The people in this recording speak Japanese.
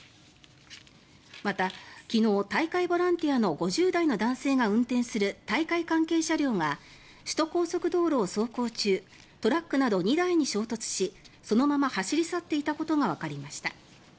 また、昨日大会ボランティアの５０代の男性が運転する大会関係車両が首都高速道路を走行中トラックなど２台に衝突しそのまま走り去っていたことがわかりました。